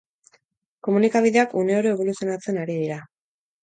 Komunikabideak uneoro eboluzionatzen ari dira.